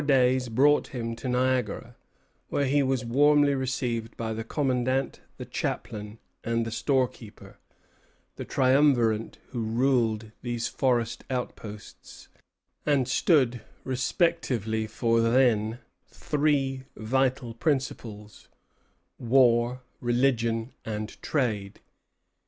Two days more brought him to Niagara, where he was warmly received by the commandant, the chaplain, and the storekeeper, the triumvirate who ruled these forest outposts, and stood respectively for their three vital principles, war, religion, and trade.